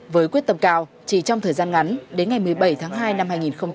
với quyết tâm cao chỉ trong thời gian ngắn đến ngày một mươi bảy tháng hai năm hai nghìn hai mươi